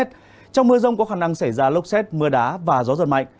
trong mưa rông có khả năng xảy ra lốc xét mưa đá và gió giật mạnh